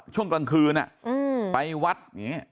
ช่วงกลางคืนอ่ะอืมไปวัดอย่างเงี้ย